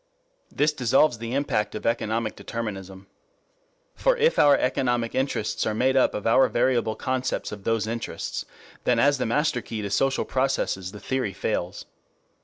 ] This dissolves the impact of economic determinism. For if our economic interests are made up of our variable concepts of those interests, then as the master key to social processes the theory fails.